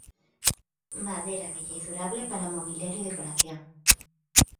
Madera bella y durable para mobiliario y decoración.